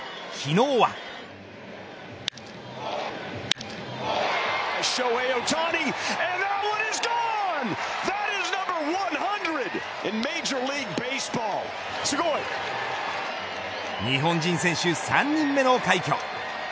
日本人選手３人目の快挙。